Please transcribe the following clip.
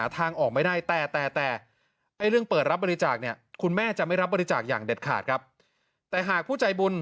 แต่หากผู้ใจบุญ